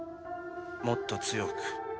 もっと強く。